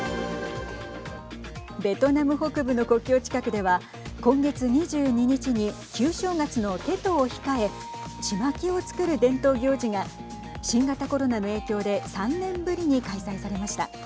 ベトナム北部の国境近くでは今月２２日に旧正月のテトを控えちまきを作る伝統行事が新型コロナの影響で３年ぶりに開催されました。